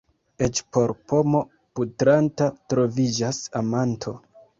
Eĉ por pomo putranta troviĝas amanto.